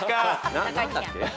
何だっけ？